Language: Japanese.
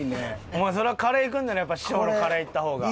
お前それはカレーいくんならやっぱ師匠のカレーいった方が。